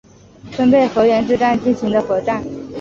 分倍河原之战进行的合战。